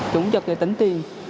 chúng chật thì tính tiền